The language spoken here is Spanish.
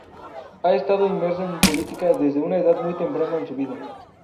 Ha estado inmerso en política desde una edad muy temprana en su vida.